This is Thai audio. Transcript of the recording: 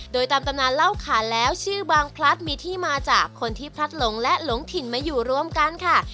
โดยตามตำนานเล่าขานแล้วชื่อบางพลัดมีที่มาจากคนที่พลัดหลงและหลงถิ่นมาอยู่รวมกันค่ะ